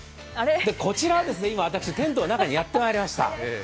こちらはですね、今、私、テントの中にやってまいりました。